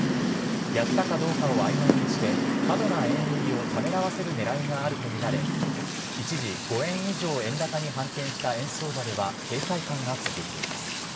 やったかどうかをあいまいにして、過度な円売りをためらわせるねらいがあると見られ、一時５円以上円高に反転した円相場では警戒感が続いています。